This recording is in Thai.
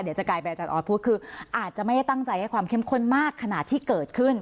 เดี๋ยวจะกลายเป็นอาจารย์ออสพูดคืออาจจะไม่ได้ตั้งใจให้ความเข้มข้นมากขนาดที่เกิดขึ้น